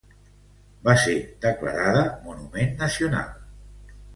Va ser declarada Monument Nacional.